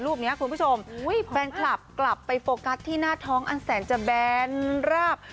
นี้คุณผู้ชมแฟนคลับกลับไปโฟกัสที่หน้าท้องอันแสนจะแบนราบ